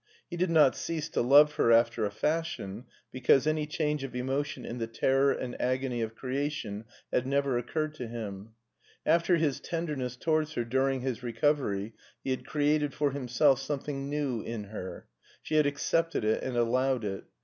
He did not cease to love her after a fashion because any change of emotion in the terror and agony of creation had never occurred to him. After his tenderness towards her during his recovery he had created for himself something new in her. She had accepted it and allowed it.